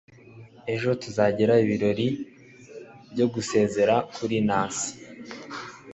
Ejo tuzagira ibirori byo gusezera kuri Nancy.